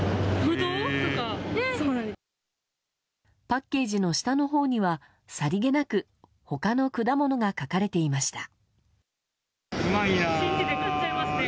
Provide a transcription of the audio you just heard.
パッケージの下のほうにはさりげなく他の果物が書かれていました。